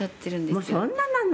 もうそんななの？